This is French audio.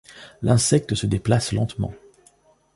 L'insecte se déplace lentement.